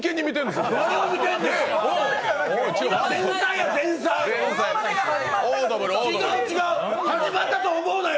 違う、違う、始まったと思うなよ。